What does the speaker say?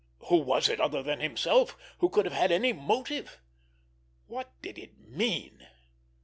Who was it, other than himself, who could have had any motive? What did it mean?